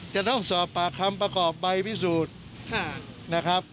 จะต้องสอบปากคำประกอบใบพิสูจน์นะครับ